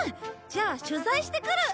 じゃあ取材してくる！